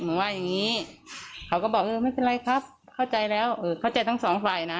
ว่าอย่างงี้เขาก็บอกเออไม่เป็นไรครับเข้าใจแล้วเออเข้าใจทั้งสองฝ่ายนะ